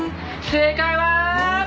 「正解は」